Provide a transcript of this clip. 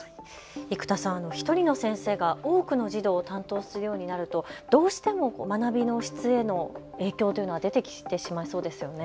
生田さん、１人の先生が多くの児童を担当するようになるとどうしても学びの質への影響が出てきてしまいそうですよね。